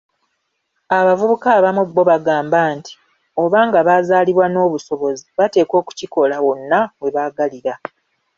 Abavubuka abamu bo bagamba nti, obanga bazaalibwa n'obusobozi bateekwa okukikola wonna we baagalira.